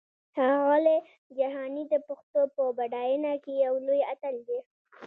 ښاغلی جهاني د پښتو په پډاینه کې یو لوی اتل دی!